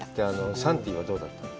サンティはどうだった？